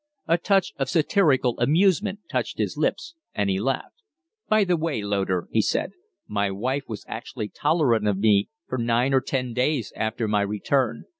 A touch of satirical amusement touched his lips and he laughed. "By the way, Loder," he said, "my wife was actually tolerant of me for nine or ten days after my return.